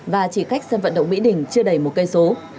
và chỉ cách sân vận động mỹ đình chưa đầy một km